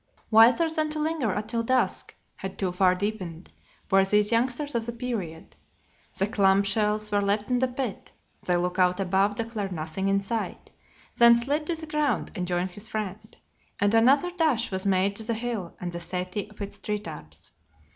Wiser than to linger until dusk had too far deepened were these youngsters of the period. The clamshells were left in the pit. The lookout above declared nothing in sight, then slid to the ground and joined his friend, and another dash was made to the hill and the safety of its treetops.